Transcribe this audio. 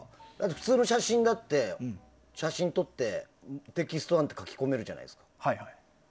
普通の写真だって、写真を撮ってテキストなんて書き込めるじゃないですか。